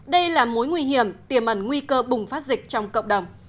đây là mối nguy hiểm tiềm ẩn nguy cơ bùng phát dịch trong cộng đồng